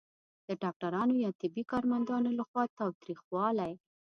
د ډاکټرانو یا طبي کارمندانو لخوا تاوتریخوالی